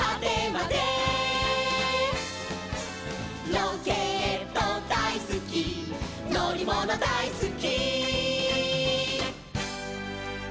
「ロケットだいすきのりものだいすき」